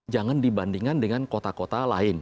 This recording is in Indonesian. jangan dibandingkan dengan kota kota lain